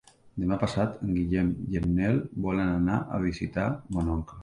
Demà passat en Guillem i en Nel volen anar a visitar mon oncle.